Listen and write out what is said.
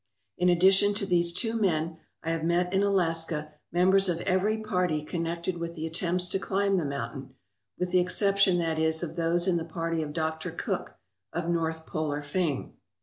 In addition to these two men, I have met in Alaska members of every party connected with the attempts to climb the mountain with the exception, that is, of those in the party of Dr. Cook, of North Polar fame.